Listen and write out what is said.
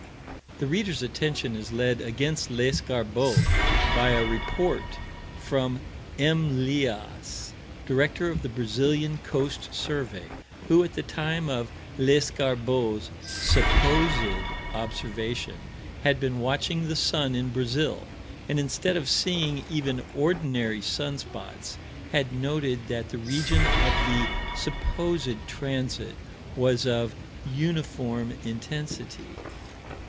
The reader's attention is led against Lescarbault by a report from M. Lias, director of the Brazilian Coast Survey, who, at the time of Lescarbault's "supposed" observation had been watching the sun in Brazil, and, instead of seeing even ordinary sun spots, had noted that the region of the "supposed transit" was of "uniform intensity."